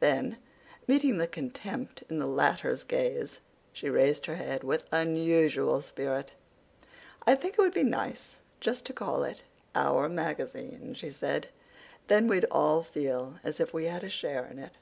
Then, meeting the contempt in the latter's gaze, she raised her head with unusual spirit. "I think it would be nice just to call it Our Magazine," she said. "Then we'd all feel as if we had a share in it."